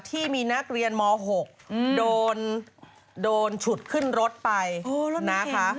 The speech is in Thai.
ที่มีนักเรียนม๖โดนฉุดขึ้นรถไปนะคะ